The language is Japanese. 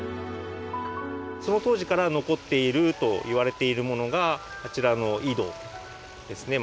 その当時から残っているといわれているものがあちらの井戸ですね